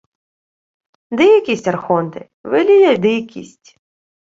— Дикість, архонте, велія дикість…